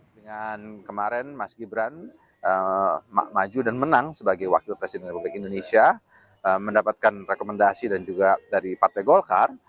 dengan kemarin mas gibran maju dan menang sebagai wakil presiden republik indonesia mendapatkan rekomendasi dan juga dari partai golkar